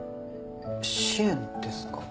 支援ですか？